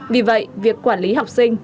vì vậy việc quản lý học sinh